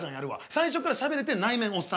最初からしゃべれて内面おっさんな。